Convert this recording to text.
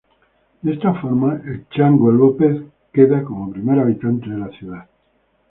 De esta forma, el "Chango" López queda como Primer Habitante de la ciudad